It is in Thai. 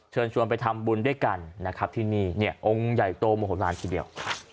เชิญชวนไปทำบุญด้วยกันนะครับที่นี่เนี่ยองค์ใหญ่โตโมโหลานทีเดียว